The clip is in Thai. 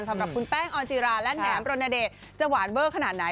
สำหรับคุณแป้งออนจิราและแหนมรณเดชจะหวานเวอร์ขนาดไหน